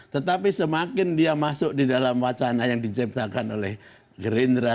tetapi semakin dia masuk di dalam wacana yang diciptakan oleh gerindra